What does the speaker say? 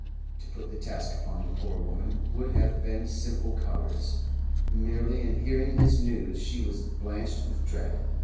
To put the task upon the poor woman would have been simple cowardice. Merely in hearing his news she was blanched with dread.